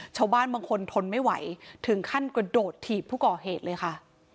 ชาวบ้านบางคนทนไม่ไหวถึงขั้นกระโดดถีบผู้ก่อเหตุเลยค่ะ